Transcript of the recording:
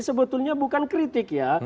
sebetulnya bukan kritik ya